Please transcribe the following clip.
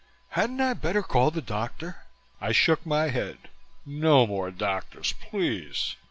Hadn't I better call the doctor?" I shook my head. "No more doctors, please.